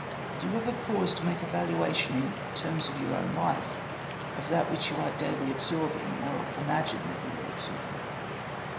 Do you ever pause to make a valuation, in terms of your own life, of that which you are daily absorbing, or imagine you are absorbing?